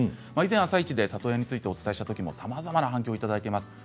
以前「あさイチ」で里親についてお伝えしたときもさまざまな反響いただいています。